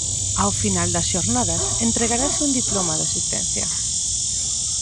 Ao final das xornadas entregarase un diploma de asistencia.